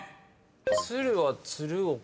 鶴は「鶴岡」？